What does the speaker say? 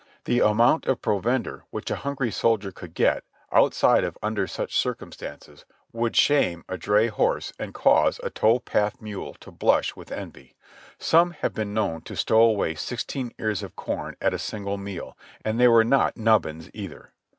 The amount of provender which a hungry soldier could get outside of under such circumstances would shame a dray horse and cause a tow path mule to blush with envy; some have been known to stow away sixteen ears of corn at a single meal, and they were not nubbins either.